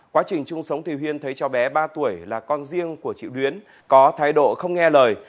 quá trình chung sống thì huyên thấy cháu bé ba tuổi là con riêng của chị đuyến có thái độ không nghe lời